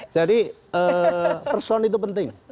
jadi person itu penting